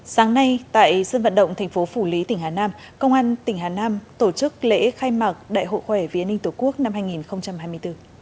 sáng nay tại sân vận động thành phố phủ lý tỉnh hà nam công an tỉnh hà nam tổ chức lễ khai mạc đại hội khỏe vì an ninh tổ quốc năm hai nghìn hai mươi bốn